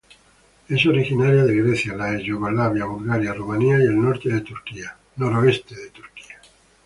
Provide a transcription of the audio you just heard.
Es originaria de Grecia, la ex Yugoslavia, Bulgaria, Rumania y el noroeste de Turquía.